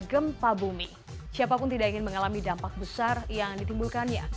gempa bumi siapapun tidak ingin mengalami dampak besar yang ditimbulkannya